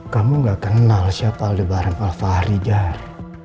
kamu gak kenal siapa alde bareng alva aridjar